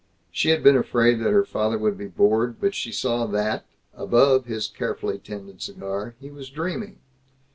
She had been afraid that her father would be bored, but she saw that, above his carefully tended cigar, he was dreaming.